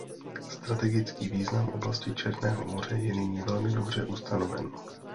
Strategický význam oblasti Černého moře je nyní velmi dobře ustanoven.